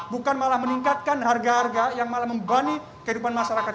bukan malah meningkatkan harga harga yang malah membebani kehidupan masyarakat